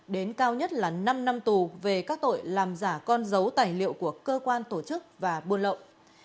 đến cao nhất là năm năm tù về các tội làm giả con dấu tài liệu của cơ quan tổ chức và buôn lậu